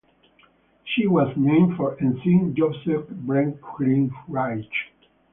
She was named for Ensign Joseph Breckinridge.